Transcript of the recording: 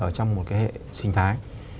ở trong một cái hệ sinh thái